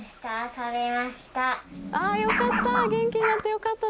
よかった！